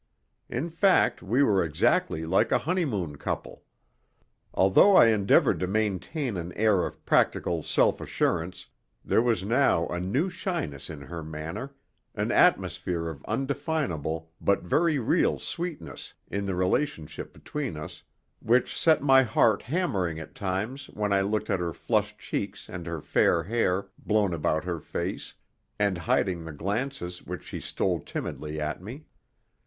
In fact, we were exactly like a honeymoon couple. Although I endeavored to maintain an air of practical self assurance there was now a new shyness in her manner, an atmosphere of undefinable but very real sweetness in the relationship between us which set my heart hammering at times when I looked at her flushed cheeks and the fair hair, blown about her face, and hiding the glances which she stole timidly at me.